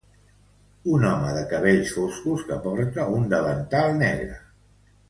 Un home de cabells foscos que porta un davantal negre.